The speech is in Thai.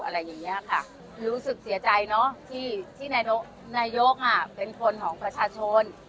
รู้สึกเสียใจที่นายกเป็นคนของประชาชน